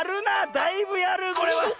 だいぶやるこれは。